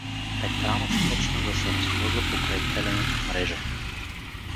Петранов почна да се разхожда покрай телената мрежа.